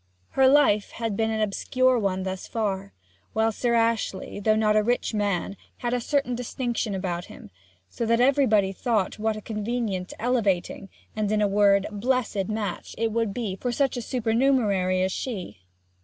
Her life had been an obscure one thus far; while Sir Ashley, though not a rich man, had a certain distinction about him; so that everybody thought what a convenient, elevating, and, in a word, blessed match it would be for such a supernumerary as she.